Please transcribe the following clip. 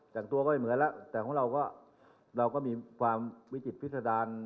แต่งตัวก็ไม่เหมือนแล้วแต่ของเราก็เราก็มีความวิจิตพิษดาร